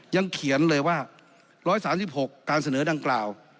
ยังเขียนเลยว่า๑๓๖การเสนอดังกล่าว